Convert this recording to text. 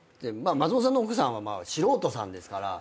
松本さんの奥さんは素人さんですから。